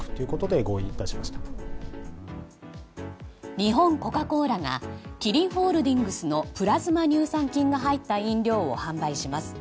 日本コカ・コーラがキリンホールディングスのプラズマ乳酸菌が入った飲料を販売します。